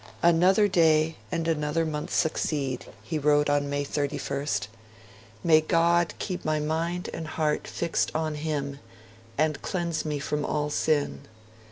'Another day and another month succeed', he wrote on May 31st. 'May God keep my mind and heart fixed on Him, and cleanse me from all sin.